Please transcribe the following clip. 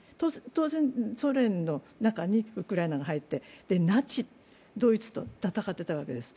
当然、ソ連の中にウクライナが入って、ナチ、ドイツと戦っていたわけです